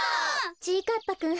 ちぃかっぱくん。